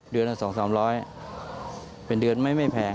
เดือนละ๒๓๐๐เป็นเดือนไม่แพง